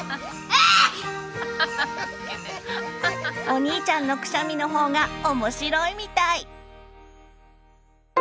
お兄ちゃんのくしゃみの方が面白いみたい。